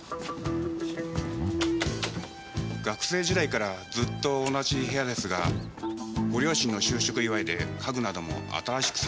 学生時代からずっと同じ部屋ですがご両親の就職祝いで家具なども新しくされたようですよ。